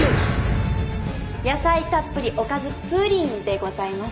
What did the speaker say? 野菜たっぷりおかずプリンでございます。